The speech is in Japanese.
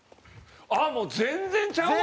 あっもう全然ちゃうわ！